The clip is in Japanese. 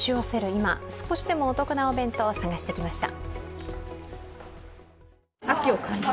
今、少しでもお得なお弁当を探してきました。